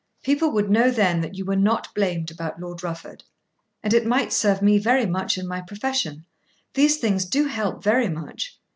"People would know then that you were not blamed about Lord Rufford. And it might serve me very much in my profession. These things do help very much.